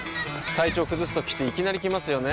体調崩すときっていきなり来ますよね。